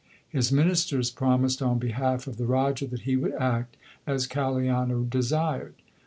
His ministers promised on behalf of the Raja that he would act as Kaliana desired.